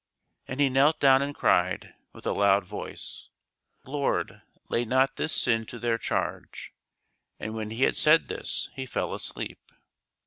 And he knelt down and cried, with a loud voice, 'Lord, lay not this sin to their charge'; and when he had said this, he fell asleep."